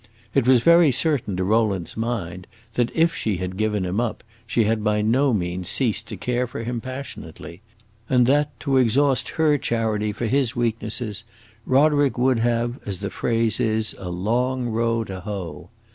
It was very certain to Rowland's mind that if she had given him up she had by no means ceased to care for him passionately, and that, to exhaust her charity for his weaknesses, Roderick would have, as the phrase is, a long row to hoe.